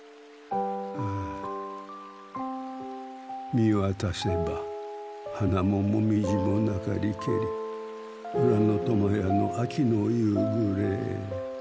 「見渡せば花も紅葉もなかりけり浦のとまやの秋の夕ぐれ」。